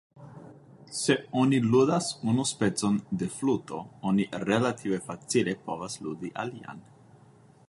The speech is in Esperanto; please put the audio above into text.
Se oni ludas unu specon de fluto, oni relative facile povas ludi alian.